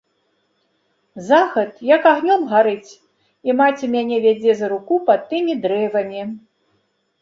Захад як агнём гарыць, і маці мяне вядзе за руку пад тымі дрэвамі.